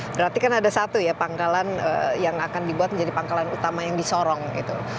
berarti kan ada satu ya pangkalan yang akan dibuat menjadi pangkalan utama yang disorong gitu